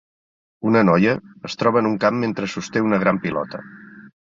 Una noia es troba en un camp mentre sosté una gran pilota.